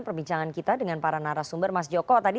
perlu kita ingatkan tadi